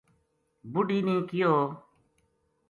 بڈھی نے کہیو